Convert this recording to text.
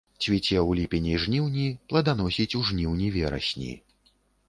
Цвіце ў ліпені-жніўні, пладаносіць у жніўні-верасні.